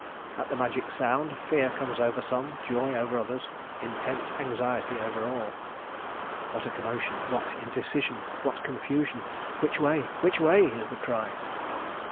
At the magic sound, fear comes over some, joy over others, intense anxiety over all. What commotion! What indecision! What confusion! 'Which way? Which way?' is the cry.